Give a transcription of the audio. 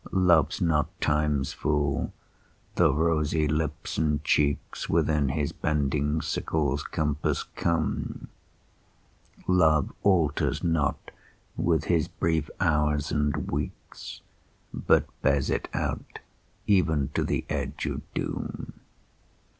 Love's not Time's fool, though rosy lips and cheeks Within his bending sickle's compass come: Love alters not with his brief hours and weeks, But bears it out even to the edge of doom.